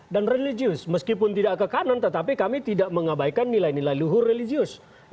dan religius meskipun tidak ke kanan tetapi kami tidak mengabaikan nilai nilai luhur religius